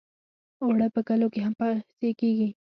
اوړه په کلو کې هم پېسې کېږي